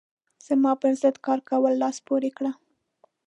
زما پر ضد کار کولو لاس پورې کړ.